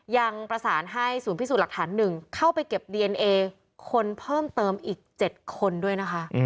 ยังประสานให้ศูนย์พิสูจน์หลักฐาน๑เข้าไปเก็บดีเอนเอคนเพิ่มเติมอีก๗คนด้วยนะคะ